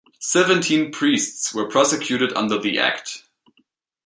Seventeen priests were prosecuted under the act.